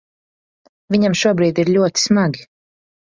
Viņam šobrīd ir ļoti smagi.